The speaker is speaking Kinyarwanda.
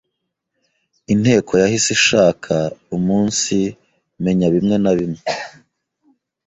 Inteko yahise ishaka umunsimenya bimwe na bimwe